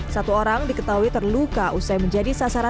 satu orang diketahui terluka usai menjadi sasaran amukan luka